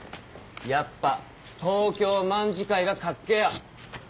やっぱ東京卍會がかっけぇよ！」